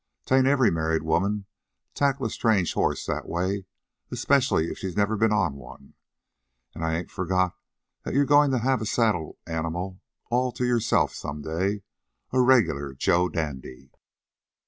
"'Tain't every married woman'd tackle a strange horse that way, especially if she'd never ben on one. An' I ain't forgot that you're goin' to have a saddle animal all to yourself some day a regular Joe dandy."